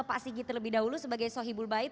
pak sigi terlebih dahulu sebagai sohibul baik